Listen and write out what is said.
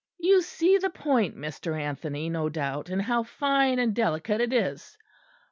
You see the point, Mr. Anthony, no doubt; and how fine and delicate it is.